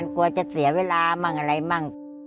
กลัวจะเสียเวลาบ้างอะไรบ้าง